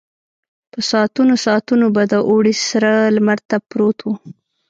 په ساعتونو ساعتونو به د اوړي سره لمر ته پروت و.